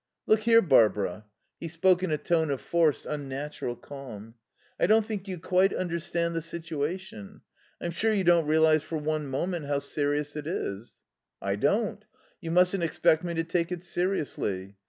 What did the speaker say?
"Look here, Barbara." He spoke in a tone of forced, unnatural calm. "I don't think you quite understand the situation. I'm sure you don't realize for one moment how serious it is." "I don't. You mustn't expect me to take it seriously."